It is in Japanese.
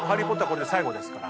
これで最後ですから。